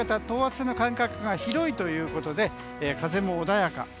等圧線の間隔が広いということで風も穏やか。